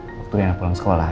waktu reina pulang sekolah